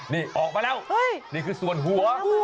นี่ออกมาแล้วนี่คือส่วนหัว